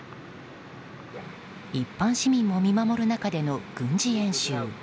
一般市民も見守る中での軍事演習。